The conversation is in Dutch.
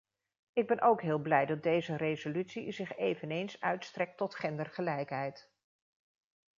Ik ben ook heel blij dat deze resolutie zich eveneens uitstrekt tot gendergelijkheid.